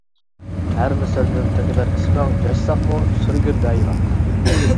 ھەر مىسىردىن تۆكۈلەر ئىسمىڭ، ياشىساقمۇ سۈرگۈندە يىراق.